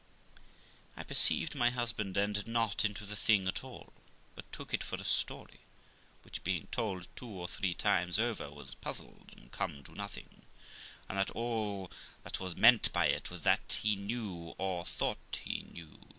I perceived my husband entered not into the thing at all, but took it for a story, which, being told two or three times over, was puzzled, and come to nothing, and that all that was meant by it was what he knew, or thought he knew already viz.